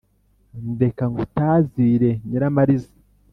Ndeka ngutazire nyiramariza